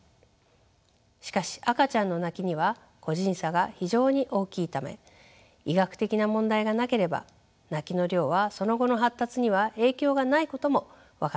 しかし赤ちゃんの泣きには個人差が非常に大きいため医学的な問題がなければ泣きの量はその後の発達には影響がないことも分かっています。